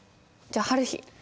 じゃあはるひ。